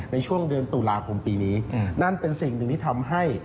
ในช่วงเดือนตุลาคมปีนี้นั่นเป็นสิ่งหนึ่งที่ทำให้